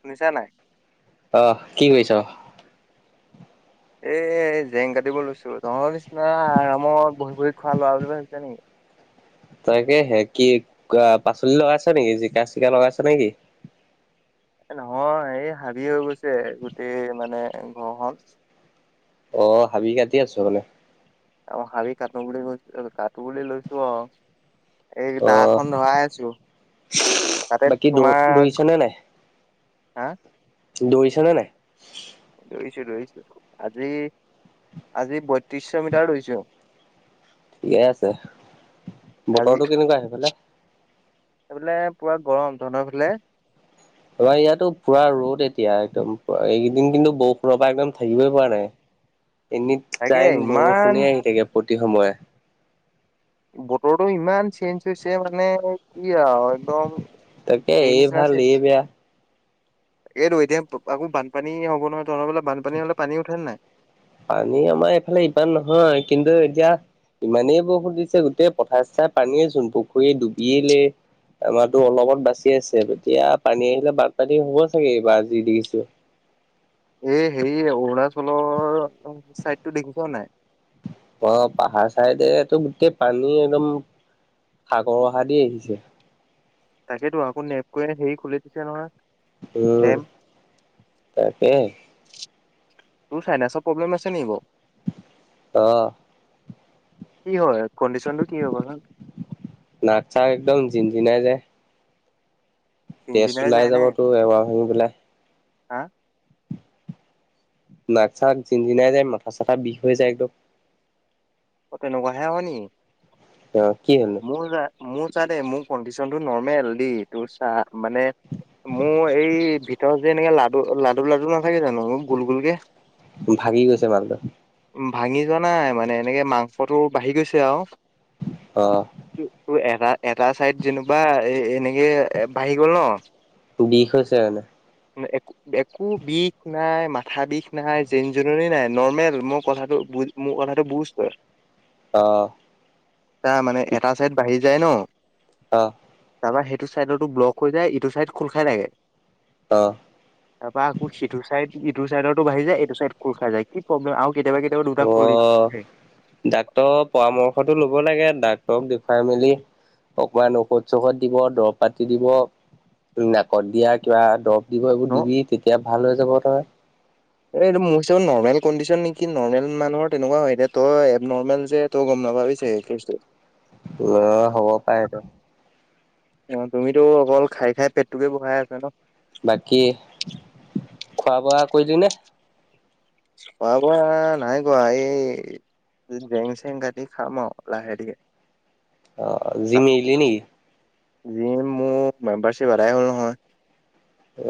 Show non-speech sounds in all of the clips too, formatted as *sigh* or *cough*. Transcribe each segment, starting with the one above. শুনিছা নাই অ, কি কৰিছ? এহ জেং কাটিব লৈছো তহতৰ নিচিনা আৰামত বহি বহি খোৱা লোৱা বুলি ভাবিছো নেকি তাকে হে কি পাচলি লগাইছ নেকি জিকা চিকা লগাইছে নেকি? *unintelligible* নহয় এই হাবি হৈ গৈছে গোটেই মানে ঘৰখন। অ', হাবি কাটি আছো মানে। অ', হাবি কাটো বুলি কৈছো কাটো বুলি লৈছো অ', এই অ দাখন ধৰাই আছোঁ তাতে বাকী দৌ তোমাৰ দৌৰিছ হা দৌৰিছনে নাই? দৌৰিছোঁ দৌৰিছোঁ আজি আজি বত্ৰিশ মিটাৰ দৌৰিছোঁ। ঠিকেই আছে আজি বতৰটো কেনেকুৱা সেইফালে? এইফালে পুৰা গৰম তহঁতৰ ফালে? আমাৰ ইয়াতো পুৰা ৰ'দ এতিয়া একদম এইকেইদিন কিন্তু বৰষুণৰ পৰা একদম থাকিবই পৰা নাই। *unintelligible* এনি তাকে টাইম ইমান বৰষুণে আহি থাকে প্ৰতি সময়ে বতৰটো ইমান চেঞ্জ হৈছে মানে ইয়াৰ একদম তাকে হেৰি এই ভাল নিচিনিছিনা এই বেয়া এইটো এতিয়া আকৌ বানপানী হ'ব নহয়, তহতৰ ফালে বানপানী হলে পানী উঠে ন নাই? পানী আমাৰ এইফালে ইমান নহয় কিন্তু এতিয়া, ইমানেই বৰষুণ দিছে গোটেই পথাৰ চথাৰে পানীয়ে চোন পুখুৰীয়ে ডুবিয়েই আমাৰটো অলপত বাচি আছে এতিয়া পানী আহিলে বানপানী হ'ব চাগে এইবাৰ আজি দেখিছোঁ এ হে অৰুণাচলৰ চাইডটো দেখিছ নাই? অ' পাহাৰ চাইডেটো গোটেই পানী একদম সাগৰ অহা দি আহিছে তাকেতো আকৌ নেপকৈয়েত হেৰি খুলি দিছে নহয় উম, ডেম। তাকে তোৰ চাইনেৰচৰ প্ৰব্লেম আছে নি বাৰু? অহ, কি হয় এই নাগ চাগ একদম জিন জিনাই যায় তেজ ইঞ্জিনিয়াৰ ওলাই যায় নে? যাবতো এবাৰ শুঙি পেলাই হা নাক চাক জিন জিনাই যায় মাথা চাথা বিষ হৈ যায় একদম। অ', তেনেকুৱাহে হয় নি? অ', কি হ'লনো? মোৰ মোৰ চা দেই মোৰ কণ্ডিশনতটো নৰৰ্মেল দেই তোৰ চা। মানে মোৰ এই ত যে এনেকে লাডু -লাডু- লাডু নাথাকে জানো গোল -গোল কে ভাগি গৈছে মালটো। ভাঙি যোৱা নাই মানে এনেকে মাংসটো বাঢ়ি গৈছে আও অ তোৰ এটা এটা চাইদ যেনিবা এ এনেকে বাঢ়ি গ'ল ন। বিষ হৈছে মানে একো একো বিষ নাই, মাথা বিষ নাই জিন জননী নাই নৰ্মেল মোক কথাটো মোৰ কথাটো বুজ তই অ মানে এটা চাই বাঢ়ি জেন অ', তোমাৰ সেইটো চাইডতো ব্লক হৈ যায় এইটো চাইড খোল খাই থাকে। অ তাৰপা আকৌ সিটো চাইড টো চাইডতো বাঢ়ি যায় এইটো চাইড খোল খাই‌ যায় কি প্ৰব্লম অ ডাক্তৰ পৰামৰ্শটো ল'ব লাগে। ডাক্তৰক দেখুৱাই মেলি অকমান ঔষধ চৌষধ দিব দৰৱ পাতি দিব। নাকত দিয়া কিবা দৰব দিব ন এইবোৰ দিবি তেতিয়া ভাল হৈ যাব নহয়। এই এইটো মোৰ হিচাপে নৰ্মেল কন্দিচন নেকি নৰ্মেল মানুহৰ তেনেকুৱাই হয় তই এবনৰমেল যে তোক অ না ভাবিছে কেছটো। অ হ'ব পাৰে ইটো। অ তুমিতো অকল খাই খাই পেটোকে বহাই আছা ন? বাকী খোৱা বোৱা কৰিলি নে? খোৱা বোৱা নাই কৰা এই জেং চেং কাটি খাম আৰু লাহে ধীৰে। অ জিম এৰিলি নেকি? জিম মোৰ মেম্বাৰশ্বিপ এৰাই হ'ল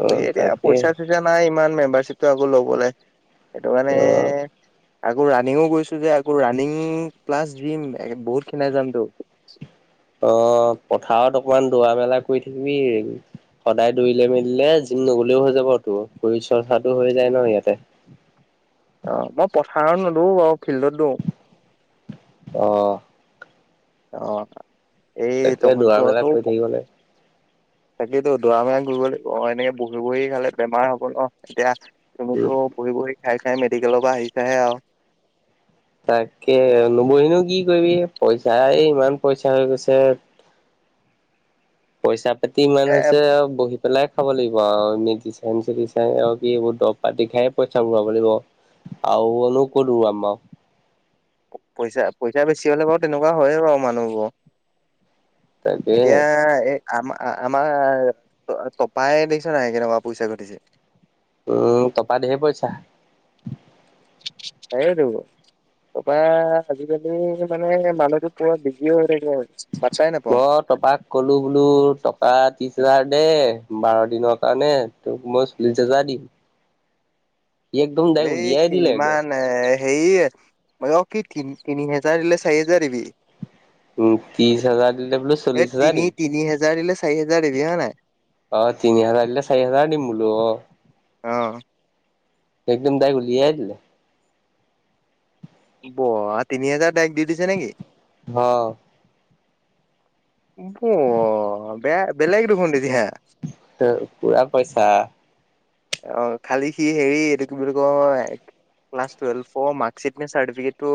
অ এতিয়া তাকে পইচা চইচা নাই ইমান। মেম্বাৰশ্বিপ আকৌ ল'বলৈ সেইটো মানে অ আকৌ ৰানিঙো গৈছো যে আকৌ ৰাণিং প্লাছ জিম বহুত খিনাই যামতো। অ পথাৰত অকমান দৌৰা মেলা কৰি থাকিবি। সদায় দৌৰিলে মেলিলে জিম নগলেও হৈ যাব তোৰ, শৰীৰ চৰ্চাটো হৈ যায় ন ইয়াতে। অ মই পথাৰত নদৌৰো মানে ফিল্ডত দৌৰো। অহ। অ', এই তাকে দৌৰা মেলা তহঁত-তহঁতেওঁ কৰি থাকিব লাগে *inaudible* তাকেতো দৰা ম ঘূৰিব অ এনেকে বহি বহি খালে বেমাৰ হব ন এতিয়া উম তুমিতো বহি বহি খাই খাই মেডিকেলৰ পৰা আহিছাহে আৰু তাকে নবহিনো কি কৰিবি পইচা এই ইমান পইচা হৈ গৈছে। পইচা পাতি ইমান এ হৈছে আৰু বহিত‌ পেলাই খাব লাগিব আৰু মেটি চাই ম চ চাই আৰু কি এইবোৰ দৰব পাতি খাই পইচা ভৰাব লাগিব। আৰু অলপ *unintelligible* আমাক। পইচা পইচা বেছি হ'লে বাৰু তেনেকুৱা হয়ে বাৰু মানুহবোৰ। তাকেহে এতিয়া এ আম আমাৰ তপাই দেখিছ নাই কেনেকুৱা পইচা ঘটিছে। উম তপা ধেইৰ পইচা। তাকেইতো কপা আজিকালি মানে মানুহটো পুৰা বিজিও হৈ থাকে। পাত্তাই নাপাওঁ মই তপাক কলো বোলো টকা ত্ৰিছ‌ হাজাৰ দেই বাৰ দিনৰ কাৰণে তোক মই চল্লিশ হেজাৰ দিম সি একদম ডাইৰেক্ট এই উলিয়াই দিলে একদম ইমান এই সেই মই কি কি তি তিনি হাজাৰ দিলে চাৰি হাজাৰ দিবি। উম ত্ৰিশ হাজাৰ দিলে বোলো এই চল্লিশ হাজাৰ তিনি দিম। তিনি হেজাৰ দিলে চাৰি হাজাৰ দিবি হয় নাই। অ তিনি হাজাৰ দিলে চাৰি হাজাৰ দিম বোলো অ। অহ। একদম দাই উলিয়াই দিলে। ওৱ তিনি হাজাৰ তাইগ দি দিছে নেকি। অ বৱা বেয়া বেলেগ দেখোন এতিয়া। পুৰা পইচা, অ খালি সি হেৰি এইটো কি বুলি কয় ক্লাছ টোয়েল্ভৰ মাৰ্কচিট নে চাৰ্টিফিকেটটো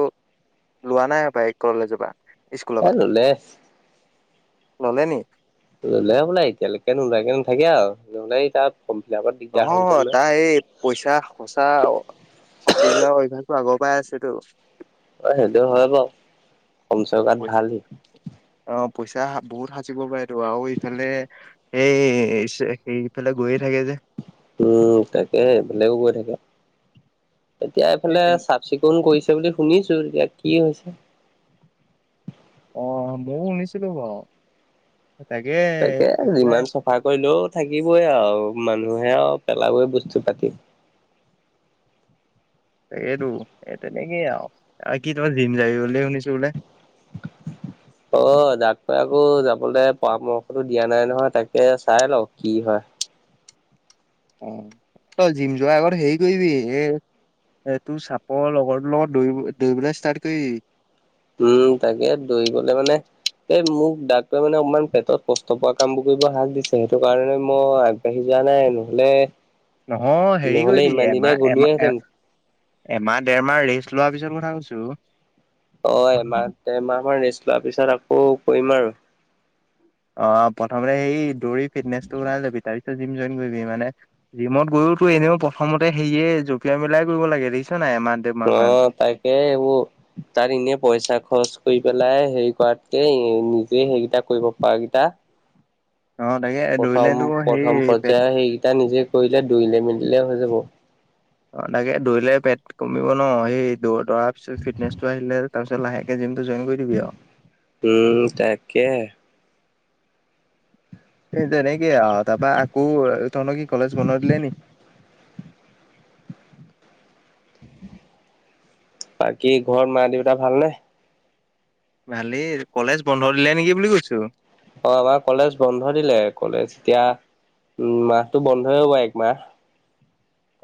লোৱা নাই কলেজৰ পৰা স্কুলৰ এই পৰা ল'লে। ল'লে নি? ল'লে হ'বলা, এতিয়ালৈকে নোলোৱাকে নাথাকে আৰু। নাহলে এই তাপ নহয় তাই এই পইচা সচা সাচি যোৱাৰ অভ্যাসটো আগৰ পাই আছেটো। অ, সেইটো হয় বু কমচৌকাত পইচা ভালহি অ পইচা বহুত সাচিব পাৰে তো আৰু ইফালে সেই সে ইফালে গৈয়ে থাকে যে। উম, তাকে বেলেগো কৈ থাকে। এতিয়া এই এইফালে তেন চাফ চিকুণ কৰিছে বুলি শুনিছো এতিয়া কি হৈছে। অ, ময়ও শুনিছিলো বাৰু। তাকে তাকে সেইফালে যিমান চফা কৰিলেও থাকিবই আৰু। মানুহে আৰু পেলাবৈ বস্তু পাতি। ত, সেইটো এই তেনেকেই আৰু কি তোমাৰ জিম যায় বুলি শুনিছো বোলে। অ, যাককৈ আকৌ যাবলে পৰামৰ্শটো দিয়া নাই নহয় তাকে চাই লওক কি হয়। হয়। অ, তই জিম যোৱা আগৰ হেৰি কৰিবি এ এই তোৰ চাপৰ লগৰটো লগত দৌৰিব দৌৰিবলৈ ষ্টাৰ্ট কৰি দিবি। উম, তাকে দৰি গলে মানে এ মোক ডাক্তৰে মানে অকমান পেটত কষ্ট পোৱা কামবোৰ কৰিব হাগ দিছে, সেইটো কাৰণে মই আগবাঢ়ি য ৱা নাই, নহ'লে নহয় হেৰি নহ'লে কৰিবি ইমান দিনে এমাহ এমাহ এ গ'লোৱেহেঁতেন। এমাহ দেৰমাহ ৰেষ্ট লোৱাৰ পিছত ম চওঁছো। অ, এমাহ দেৰমাহ মৰ ৰেষ্ট লোৱাৰ পিছত আকৌ কৰিম আৰু অ' প্ৰথমতে সেই দৌৰি ফিটনেচ টো বনাই ল'বি তাৰ জিম জইন কৰিবি, মানে জিমত গৈওতো এনেও প্ৰথমতে সেয়ে জঁপিয়াই মেলাই কৰিব লাগে দেখিছ নাই। এমা তই তাকে এইবোৰ তাত এনেই পইচা খৰচ কৰি পেলাই হেৰি কৰাতকে নিজে সেইকেইটা কৰিব পাৰকেইটা অ তাকে প্ৰথম- দৌৰিলেতো প্ৰথম সেই পেট পৰ্যয়ায়ৰ সেইকেইটা নিজে কৰিলে দুইলে মেলিলে হৈ যাব। অ' তাকে দৌৰিলে পেট কমিব ন, সেই দৌ দৌৰাৰ পিছত ফিটনেচটো আহিলে তাৰপিছত লাহেকে জিম উম, তাকে তেনেকে আৰু তাৰাপা আকৌ তনকি কলেজ বনাই দিলে নেক *inaudible* বাকী ঘৰ মা দেউতা ভালনে? ভালেই, কলেজ বন্ধ দিলে নেকি বুলি সুধিছো? অ, আমাৰ কলেজ বন্ধ দিলে কলেজ এতিয়া। উম, মাহটো বন্ধই হ'ব একমাহ।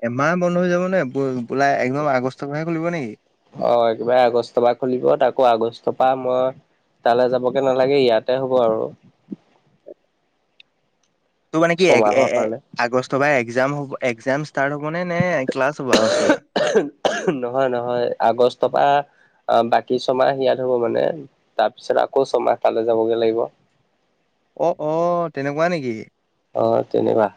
এমাহ বন্ধ হৈ যাব নে বোলাই একদম আগষ্টৰ মাহে খুলিব নেকি? অ, কিবাৰে আগষ্টৰ পৰা খুলিব তকৌ আগষ্টৰ পৰা মই। তালৈ যাবগে নালাগে ইয়াতে হ'ব আৰু। *inaudible* ত' মানে কি ছমাহৰ কাৰণে আগষ্ট বা একজাম হ একজাম ষ্টাৰ্ট হ'ব নে ক্লাছ হ'ব আগষ্টৰ পা? তবা আহ বাকী ছমাহ ইয়াত হ'ব মানে, তাৰপিছত আকৌ ছমাহ তালৈ যাবগে লাগিব। অ - অ তেনেকুৱা নেকি? অ, তেনেকুৱা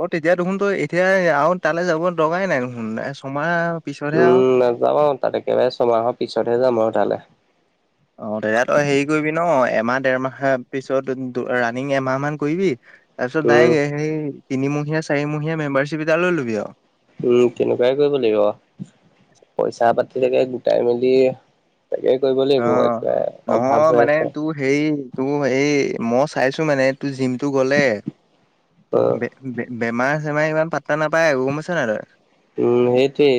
অ, তেতিয়া দেখোন তো এতিয়া আৰু তালৈ যাব দৰকাৰাই নাই দেখোন ছমাহ পিছতহে আৰু উম, নাযাবা আৰু তাত একেবাৰে ছমাহৰ পিছতহে যাম আৰু তালৈ। অ, দে তই হেৰি কৰিবি ন এমাহ দেৰমাহ পিছত ৰানিং এমাহ মান কৰিবি। তাৰপিছত উম ডাইৰেক সেই তিনিমহীয়া চাৰিমহীয়া মেম্বাৰশ্বিপ এটা লৈ লবি আৰু। উম, তেনেকুৱাই কৰিব লাগিব পইচা পাতি তাকে গোটাই মেলি তাকে কৰিব লাগিব অ' একেবাৰে অভাৱ নহয় হৈ মানে আছে তোৰ হেৰি তোৰ হেই মই চাইছো মানে তোৰ জিমতটো গলে অ বে-বে-বেমাৰ মাই ইমান পাত্তা নাপায় আকৌ গ'ম পাইছ নাই তই। উম সেইটোৱেই।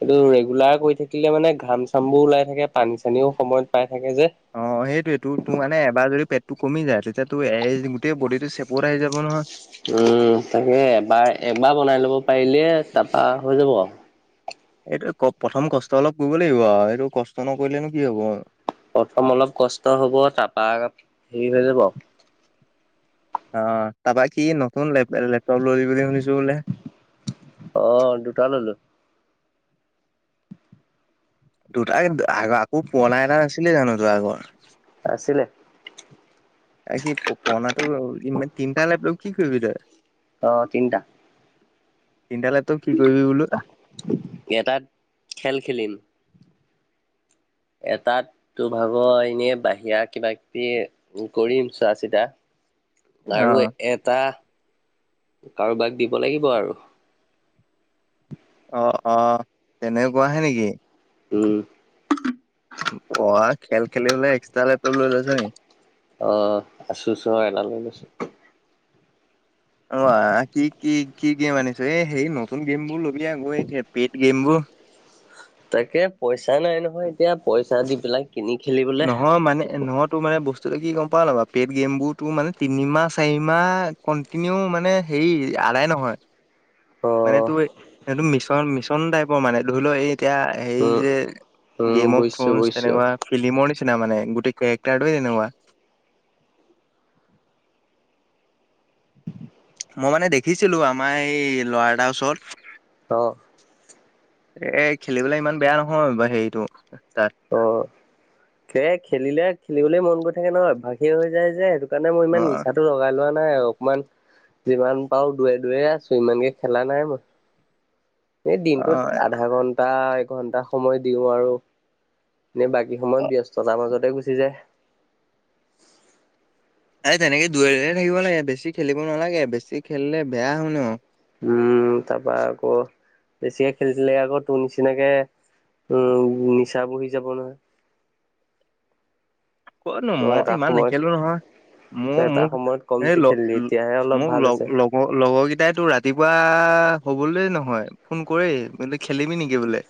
এইটো ৰেগুলাৰ কৰি থাকিলে মানে ঘাম চামবোৰ ওলাই থাকে, পানী চানীও সময়ত পাই। থাকে যে অ', সেইটোৱে তোৰ-তোৰ মানে এবাৰ যদি পেটটো কমি যায় *inaudible* *unintelligible* গোটেই বডিটো চেপৰ আহি যাব নহয়। উম তাকে এবাৰ এবাৰ বনাই লব পাৰিলে তাৰাপা হৈ যাব আৰু। এইটো ক প্ৰথম কষ্ট অলপ কৰিব লাগিব আৰু এইটো কষ্ট নকৰিলেনো কি হ'ব। প্ৰথম অলপ কষ্ট হ'ব তাৰপা, হেৰি হৈ যাব। অ' তাৰপা কি নতুন লপ-লেপটপ ললি বুলি শুনিছো বোলে। অ', দুটা ললো। দুটাই আগ-আকৌ পুৰণা এটা নাছিলে জানো যোৱা আগৰ? আছিলে। আৰ কি পুৰণাটো ইম তিনিটা লাগ লৈ কি কৰিবি তই? আহ তিনিটা। তিনিটা লেপটপ কি কৰিবি বোলো অ'। এটাত খেল খেলিম এটাত তোৰ ভাগৰ এনেই বাহিৰা কিবা কিবি কৰিম চোৱা চিতা। আৰু অ'। এটা কাৰোবাক দিব লাগিব আৰু। অ', অ', তেনেকুৱাহে নেকি। উম। *unintelligible* খেল খেলিবলৈ এক্সট্ৰা লেপতপ লৈ লৈছ' নি। আহ আছো চো এল লৈ লৈছো। অ' আ কি কি কি গেম আনিছ'? এ, হেই নতুন গেমবোৰ লবি আ গৈ, *unintelligible* পেইড গেমবোৰ। তাকেই পইচা নাই নহয় এতিয়া পইচা দি পেলাক। নহয় মানে নহয় তোৰ মানে বস্তুটো কি ক'ম বা পেড গেমবোৰতো মানে তিনিমাহ চাৰিমাহ কন্টিনিউ মানে হেৰি আদায় নহয়। অ মানে তোৰ সেইটো মিছন-মিছন টাইপৰ মানে, ধৰি লওঁ এই এতিয়া সেই উম যে, উম গেম অফ বুজিছো থ্ৰন বুজিছো তেনেকুৱা ফিলিমৰ নিচিনা। *unintelligible* মানে গোটেই কেৰেক্টাৰটো এনেকুৱা। মই মানে দেখিছিলোঁ আমাৰ এই ল'ৰা এটাৰ ওচৰত। অ এ এ খেলিবলৈ ইমান বেয়া নহয় বা হেৰিটো তাত। সে খেলিলে খেলিবলৈ মন গৈ থাকে নহয়, অভ্যাসে হৈ যায় যে সেইটো কাৰণে মই অ ইমান নিচাটো লগাই লোৱা *inaudible* নাই অকমান, যিমান পাৰো দূৰে দূৰে আছোঁ, ইমানকে খেলা নাই মই। এই অ দিনটোত আধা ঘন্টা, এঘন্টা সময় দিওঁ আৰু। এনে বাকী সময়ত ব্যস্ততাৰ মাজতে গুচি যায়। এই তেনেকে দূৰে দূৰে থাকিব লাগে, বেছি খেলিব নালাগে বেছি খেলিলে বেয়া হই ন'। উম, তাৰপা আকৌ বেছিকে খেলিছিলে আকৌ তোৰ নিচিনাকে উ নিচা বহি যাব নহয়। ক'তনো ত' মই এটা ইমান সময়ত নেখেলো নহয়। ত মই এটা মোক সময়ত এই কমটি খেলিলি এতিয়াহে অলপ মোক ভাল লগ হৈছে। লগৰ লগৰ কেইটাই তোৰ ৰাতিপুৱা হবলৈ নহয় ফোন কৰেই বোলে খেলিবি নেকি বোলে?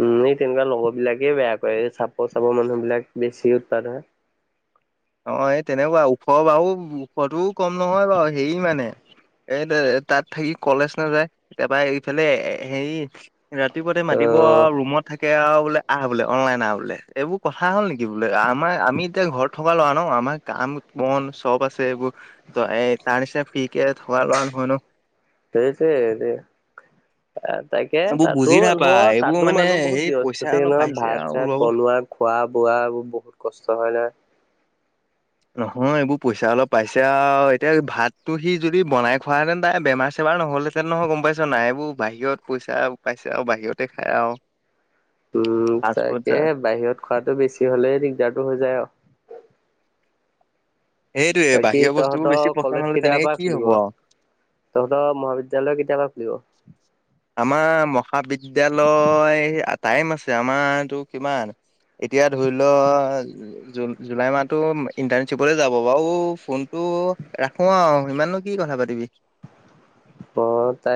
উম, এই তেনেকুৱা লগৰ বিলাকেই বেয়া কৰে এই চাপৰ চাপৰ মানুহবিলাক বেছি উৎপাদ হয়। অ', এই তেনেকুৱা ওখ বাৰু ওখটোও কম নহয় বাৰু হে মানে এই তাত থাকি কলেজ নাযায়, তাৰাপা এইফালে হেৰি ৰাতিপুৱাতে মাতিব অ' আৰু ৰুমত থাকে আৰু। বোলে আহ বোলে অ'নলাইন আহ বোলে, এইবোৰ কথা হ'ল নেকি বোলে আমাৰ আমি এতিয়া ঘৰত থকা লৰা ন আমাৰ কাম বন চব আছে এইবোৰ, ত এই তাৰ নিচি ফ্ৰী কে থকা লৰা নহয়। হয় ন? হেৰেই থই আহিলি অ', তাকে এইবোৰ তাতো বুজি নাপায় মানুহৰ এইবোৰ তাতো মানে মানুহ বহুত সেই পইচা ব্যস্ত থাকে অলপ নহয়। পাইছে ভাত আৰু চাত ৰব বনোৱা খোৱা *unintelligible* বোৱা বহুত কষ্ট নহয়। নহয় এইবোৰ পইচা অলপ পাইছে আৰু, এতিয়া ভাতটো সি যদি বনাই খোৱাহেতেন তাই বেমাৰ চেমাৰ ৰ নহ'লেহেঁতে নহয় গ'ম পাইছ নাই। এইবোৰ বাহিৰত পইচা পাইছে আৰু বাহিৰতে খাই আৰু উম ফাষ্ট ফুড তাকেহে বাহিৰত খোৱাটো বেছি হলেই দিগদাৰটো হৈ যায় আৰু। সেইটোৱে বাকি বাহিৰৰ বস্তুবোৰ বেছি তহঁতৰ পচন্দ কলেজ হলে কেতিয়াৰ তেনেকে পৰা কি খুলিব? হব আৰু তহঁতৰ মহাবিদ্যালয় কেতিয়াৰ পা খুলিব? আমাৰ মহাবিদ্যালয় টাইম আছে, আমাৰতো কিমান এতিয়া ধৰি লোৱা জুন, জুলাই মাহতো ইন্টাৰ্নিচিপতে যাব বাৰু। অউ ফোনটো উ ৰাখো আৰু ইমাননো কি কথা পাতিবি। অ তাই